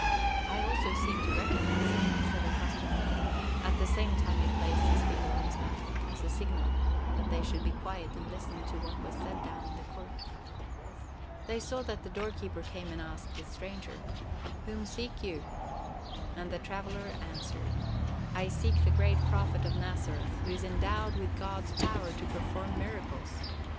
"I also seem to recognize him," said her husband; at the same time he placed his finger on his mouth, as a signal that they should be quiet and listen to what was said down in the court. They saw that the doorkeeper came out and asked the stranger: "Whom seek you?" And the traveler answered: "I seek the great Prophet of Nazareth, who is endowed with God's power to perform miracles.